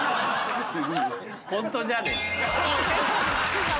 ホントじゃねえか。